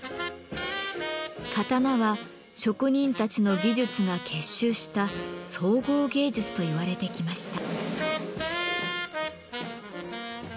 刀は職人たちの技術が結集した「総合芸術」と言われてきました。